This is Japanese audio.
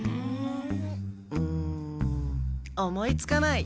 うん思いつかない。